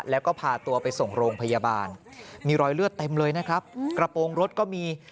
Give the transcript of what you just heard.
แล้วก็พาตัวไปส่งโรงพยาบาลมีรอยเลือดเต็มเลยนะครับกระโปรงรถก็มี